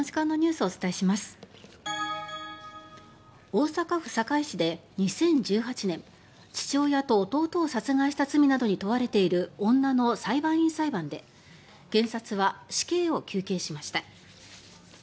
大阪府堺市で２０１８年父親と弟を殺害した罪などに問われている女の裁判員裁判で検察は死刑を求刑しました。